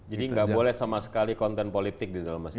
jadi gak boleh sama sekali konten politik di dalam masjid